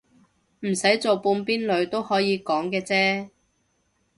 唔使做半邊女都可以講嘅啫